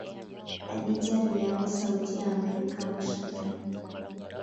Khadija Riyami sauti ya america Washington